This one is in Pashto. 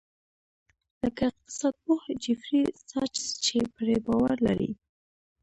لکه اقتصاد پوه جیفري ساچس چې پرې باور لري.